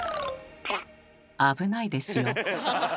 危ないですよ。